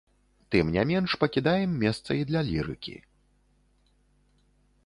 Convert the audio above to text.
Тым не менш, пакідаем месца і для лірыкі.